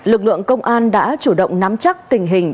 lực lượng công an đã chủ động nắm chắc tình hình